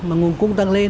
mà nguồn cung tăng lên